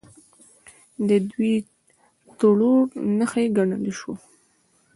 د دوی ټرور نښې ګڼلی شو.